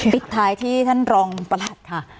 ปิดท้ายที่ท่านรองประหลัดค่ะ